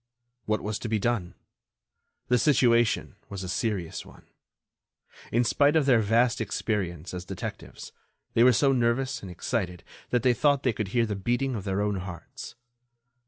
What was to be done? The situation was a serious one. In spite of their vast experience as detectives, they were so nervous and excited that they thought they could hear the beating of their own hearts.